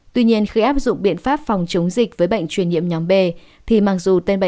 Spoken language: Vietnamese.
tuy nhiên khi áp dụng biện pháp phòng chống dịch với bệnh truyền nhiễm nhóm b